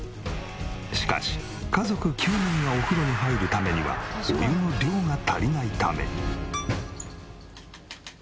しかし家族９人がお風呂に入るためにはお湯の量が足りないため。